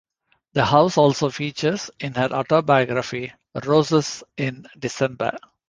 The house also features in her autobiography, "Roses in December".